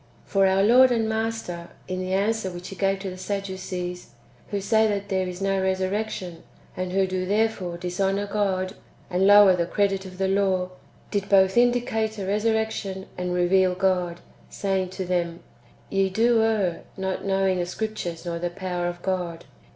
* 2. For our Lord and Master, in the answer which He gave to the Sadducees, who say that there is no resurrection, and who do therefore dishonour God, and lower the credit of the law, did both indicate a resurrection, and reveal God, saying to them, " Ye do err, not knowing the Scriptures, nor the power of God."